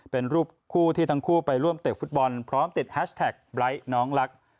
เป็นรูปคู่ที่ทั้งคู่ไปร่วมเตะฟุตบอลพร้อมติดแฮชแท็กไร้น้องรัก